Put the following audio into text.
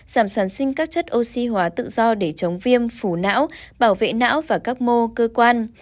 giảm sản sinh các chất oxy hóa tự do để chống viêm phù não bảo vệ não và các mô cơ quan